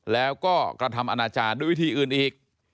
แล้วก็กระทำอนาจารย์ด้วยวิธีอื่นอีก